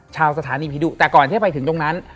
ชาวสถานีผีดุแต่ก่อนที่จะไปถึงตรงนั้น